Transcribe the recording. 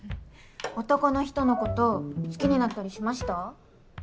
男の人のこと好きになったりしました？